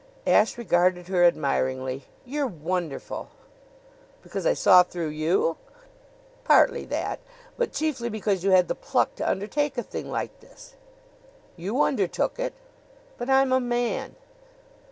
Ashe regarded her admiringly. "You're wonderful!" "Because I saw through you?" "Partly that; but chiefly because you had the pluck to undertake a thing like this." "You undertook it." "But I'm a man."